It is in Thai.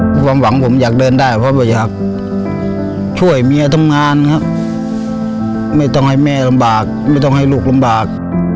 ความหวังผมอยากเดินได้เพราะว่าอยากช่วยเมียทำงานครับไม่ต้องให้แม่ลำบากไม่ต้องให้ลูกลำบาก